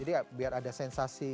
jadi biar ada sensasi